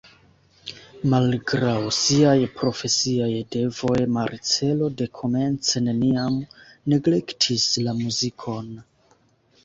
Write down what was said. Malgraŭ siaj profesiaj devoj Marcello dekomence neniam neglektis la muzikon.